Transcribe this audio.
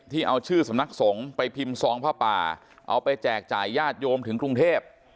เอาชื่อสำนักสงฆ์ไปพิมพ์ซองผ้าป่าเอาไปแจกจ่ายญาติโยมถึงกรุงเทพ